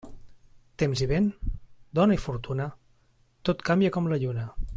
Temps i vent, dona i fortuna, tot canvia com la lluna.